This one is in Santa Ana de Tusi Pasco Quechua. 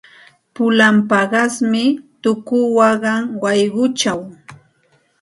Pulan paqasmi tuku waqan wayquchaw.